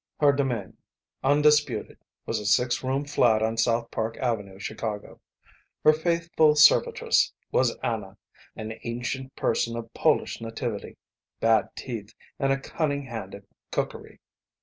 Her demesne, undisputed, was a six room flat on South Park Avenue, Chicago. Her faithful servitress was Anna, an ancient person of Polish nativity, bad teeth, and a cunning hand at cookery.